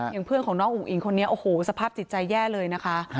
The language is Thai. อย่างเพื่อนของน้องอุ๋งอิ๋งคนนี้โอ้โหสภาพจิตใจแย่เลยนะคะ